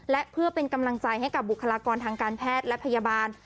และเพื่อเป็นกำลังใจให้กับบุคลากรทางการแพทย์และพยาบาล